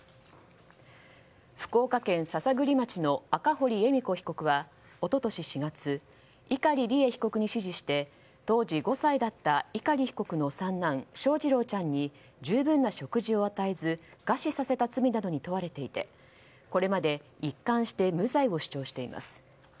福岡県篠栗町の赤堀恵美子被告は一昨年４月、碇利恵被告に指示して当時５歳だった碇被告の三男翔士郎ちゃんに十分な食事を与えず餓死させた罪などに問われていてこれまで一貫して無罪を主張しています。